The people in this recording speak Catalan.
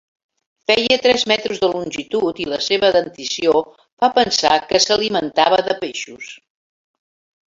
Feia tres metres de longitud i la seva dentició fa pensar que s'alimentava de peixos.